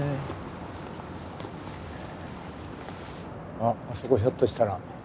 あっあそこひょっとしたら。